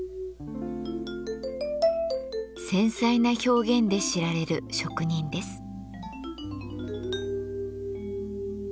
繊細な表現で知られる職人です。